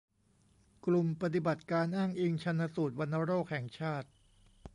กลุ่มปฏิบัติการอ้างอิงชันสูตรวัณโรคแห่งชาติ